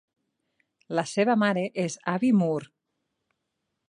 La seva mare és Abby Moore.